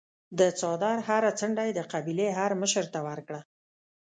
د څادر هره څنډه یې د قبیلې هرمشر ته ورکړه.